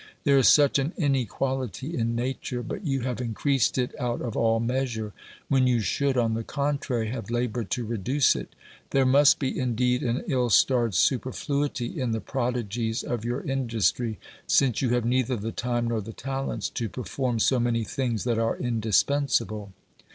There is such an inequality in Nature, but you have increased it out of all measure, when you should, on the contrary, have laboured to reduce it. There must be indeed an ill starred superfluity in the prodigies of your OBERMANN i8i industry, since you have neither the time nor the talents to perform so many things that are indispensable.